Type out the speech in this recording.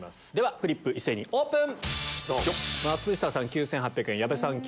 フリップ一斉にオープン！